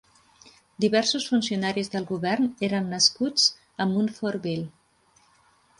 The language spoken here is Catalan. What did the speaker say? Diversos funcionaris del govern eren nascuts a Munfordville.